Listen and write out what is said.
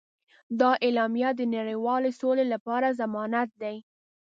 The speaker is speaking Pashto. دا اعلامیه د نړیوالې سولې لپاره ضمانت دی.